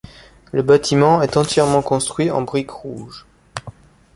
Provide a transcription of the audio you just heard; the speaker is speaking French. Le bâtiment est entièrement construit en briques rouges.